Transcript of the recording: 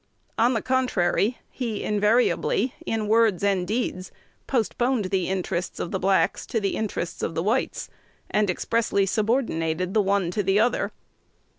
On the contrary, he invariably, in words and deeds, postponed the interests of the blacks to the interests of the whites, and expressly subordinated the one to the other.